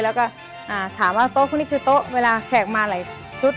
แล้วก็ถามว่าโต๊ะพวกนี้คือโต๊ะเวลาแขกมาหลายชุด